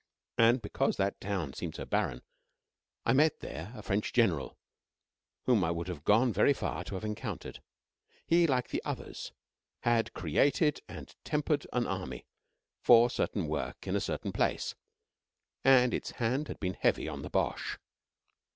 And because that town seemed so barren, I met there a French General whom I would have gone very far to have encountered. He, like the others, had created and tempered an army for certain work in a certain place, and its hand had been heavy on the Boche.